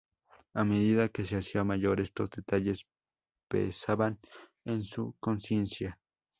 A medida que se hacía mayor estos detalles pesaban en su consciencia.